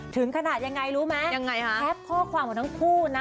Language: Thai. ถึงขนาดยังไงรู้ไหมยังไงฮะแคปข้อความของทั้งคู่นะ